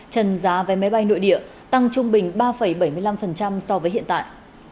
trần giá vé máy bay nội địa tăng trung bình ba bảy mươi năm so với hiện tại